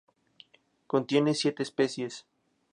Contiene siete especies.